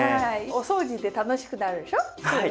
お掃除って楽しくなるでしょ？ね。